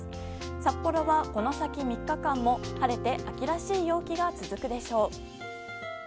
札幌はこの先３日間も晴れて秋らしい陽気が続くでしょう。